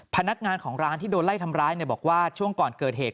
พนักงานของร้านที่โดนไล่ทำร้ายบอกว่าช่วงก่อนเกิดเหตุ